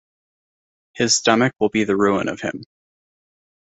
His stomach will be the ruin of him.